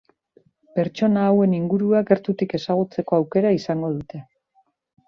Pertsona hauen ingurua gertutik ezagutzeko aukera izango dute.